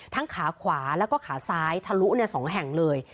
ขาขวาแล้วก็ขาซ้ายทะลุ๒แห่งเลย